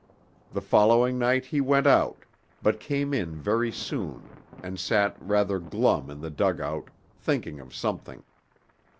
The following night he went out, but came in very soon, and sat rather glum in the dug out, thinking of something.